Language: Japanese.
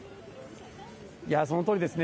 そのとおりですね。